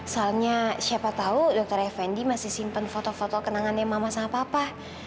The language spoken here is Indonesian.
soalnya siapa tahu dokter effendi masih simpen foto foto kenangannya mama sama papa